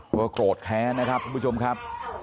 เพราะโกรทแท้นะครับผู้ชมครับ